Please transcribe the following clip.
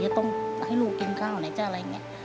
จะต้องให้ลูกเก็บข้าวไหน